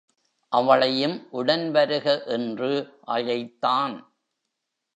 அவளையும் உடன் வருக என்று அழைத்தான்.